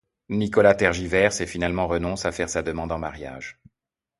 Nicolas tergiverse et finalement renonce à faire sa demande en mariage.